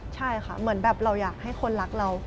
ใช่ค่ะเหมือนแบบเราอยากให้คนรักเรา